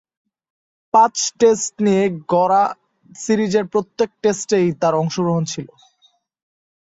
পাঁচ-টেস্ট নিয়ে গড়া সিরিজের প্রত্যেক টেস্টেই তার অংশগ্রহণ ছিল।